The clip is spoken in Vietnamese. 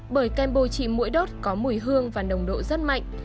bởi kem bồi trị mũi đốt có mùi hương và nồng độ rất mạnh